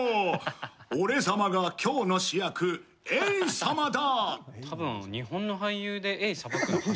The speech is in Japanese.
俺様が今日の主役エイ様だ。